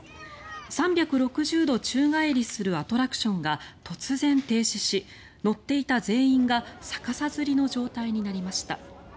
３６０度宙返りするアトラクションが突然、停止し乗っていた全員が逆さづりの状態になりました。